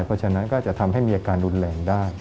เพราะฉะนั้นก็จะทำให้มีอาการรุนแรงได้